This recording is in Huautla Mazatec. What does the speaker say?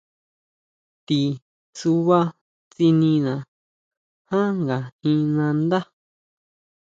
Ti tsuba tsinina jan nga jín nandá.